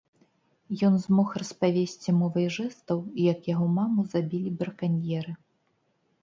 Ён змог распавесці мовай жэстаў як яго маму забілі браканьеры.